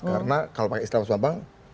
karena kalau pakai istilah mas bambang